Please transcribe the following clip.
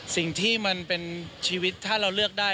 สิ่งที่มันเป็นชีวิตถ้าเราเลือกได้